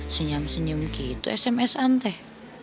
senyam senyum gitu sms an teh